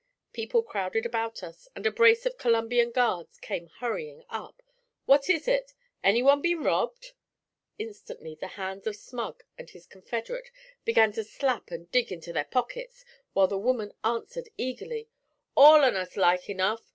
People crowded about us and a brace of Columbian guards came hurrying up. 'What is it?' 'Anyone been robbed?' Instantly the hands of Smug and his confederate began to slap and dig into their pockets, while the woman answered eagerly: 'All on us, like enough!